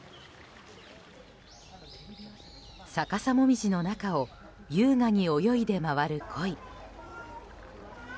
逆さモミジの中を優雅に泳いで回るコイ。